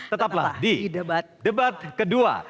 tetaplah di debat kedua